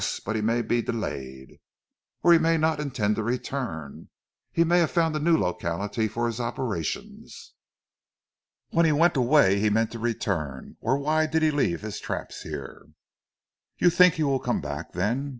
But he may be delayed." "Or he may not intend to return. He may have found a new locality for his operations." "When he went away he meant to return, or why did he leave his traps here?" "You think he will come back then?"